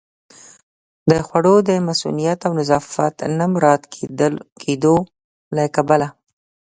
د خوړو د مصئونیت او نظافت نه مراعت کېدو له کبله